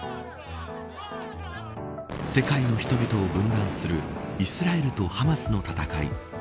世界の人々を分断するイスラエルとハマスの戦い。